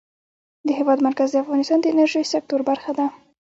د هېواد مرکز د افغانستان د انرژۍ سکتور برخه ده.